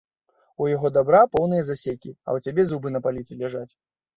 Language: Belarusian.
У яго дабра поўны засекі, а ў цябе зубы на паліцы ляжаць.